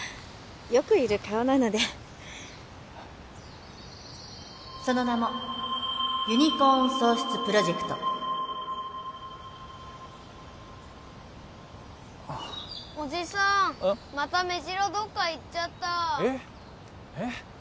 よくいる顔なのでその名もユニコーン創出プロジェクトあっおじさんまたメジロどっかいっちゃったえっええ？